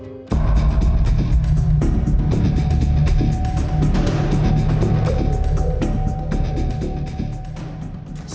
perintah verdi sambong akan menembak yosua